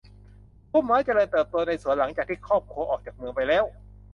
พุ่มไม้เจริญเติบโตในสวนหลังจากที่ครอบครัวออกจากเมืองไปแล้ว